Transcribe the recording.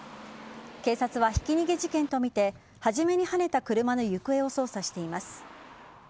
警察はひき逃げ事件とみて初めにはねた車の行方を捜査しています。